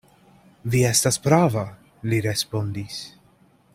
Vi estas prava, li respondis.